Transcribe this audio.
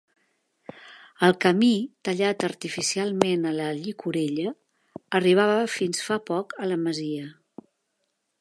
El camí, tallat artificialment a la llicorella, arribava fins fa poc a la masia.